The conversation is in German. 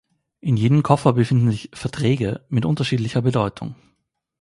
In jedem Koffer befinden sich „Verträge“ mit unterschiedlicher Bedeutung.